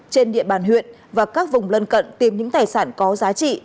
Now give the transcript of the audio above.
trên địa bàn huyện và các vùng lân cận tìm những tài sản có giá trị